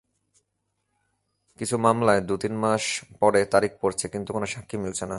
কিছু মামলায় দু-তিন মাস পরে তারিখ পড়ছে, কিন্তু কোনো সাক্ষী মিলছে না।